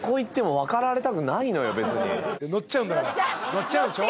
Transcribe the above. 乗っちゃうんでしょ。